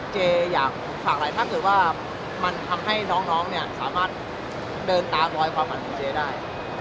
เจ๊อยากฝากอะไรถ้าเกิดว่ามันทำให้น้องเนี่ยสามารถเดินตามรอยความฝันของเจ๊ได้